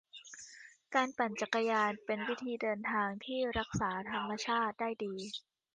การปั่นจักรยานเป็นวิธีเดินทางที่รักษาธรรมชาติได้ดี